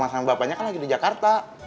sama bapaknya kan lagi di jakarta